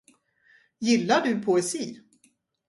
Gillar du poesi?